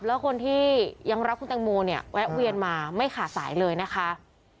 แล้วคนที่ยังรักคุณแตงโมเนี่ยแวะเวียนมาไม่ขาดสายเลยนะคะ